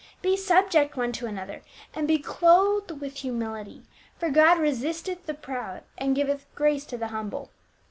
Be subject one to another, and be clothed with humility ; for God resisteth the proud, and giveth grace to the humble.